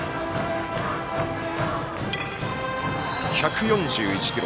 １４１キロ。